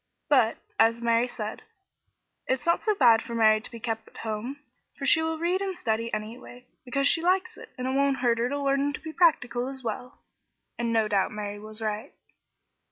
But, as Mary said, "It's not so bad for Betty to be kept at home, for she will read and study, anyway, because she likes it, and it won't hurt her to learn to be practical as well;" and no doubt Mary was right.